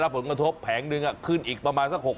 แล้วเหมือนแล้วนำเป้าแผงหนึ่งน่ะขึ้นอีกประมาณสักหก